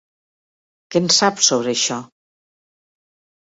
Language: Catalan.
Què en saps sobre això?